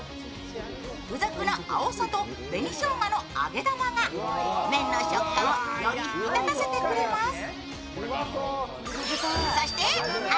付属のあおさと紅しょうがの揚げ玉が麺の食感をより引き立たせてくれます。